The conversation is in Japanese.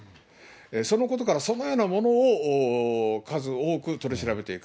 そのことから、そのような者を数多く取り調べていく。